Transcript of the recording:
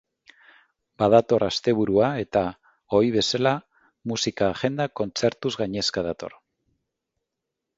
Badator asteburua eta, ohi bezala, musika agenda kontzertuz gainezka dator.